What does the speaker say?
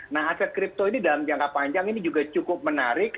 nah aset kripto ini dalam jangka panjang ini juga cukup menarik